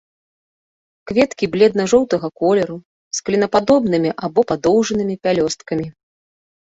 Кветкі бледна-жоўтага колеру, з клінападобнымі або падоўжанымі пялёсткамі.